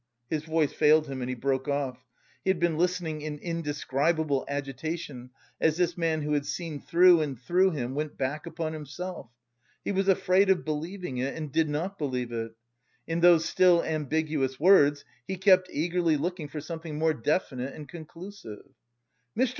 His voice failed him, and he broke off. He had been listening in indescribable agitation, as this man who had seen through and through him, went back upon himself. He was afraid of believing it and did not believe it. In those still ambiguous words he kept eagerly looking for something more definite and conclusive. "Mr.